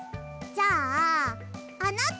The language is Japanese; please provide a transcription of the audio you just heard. じゃああなた！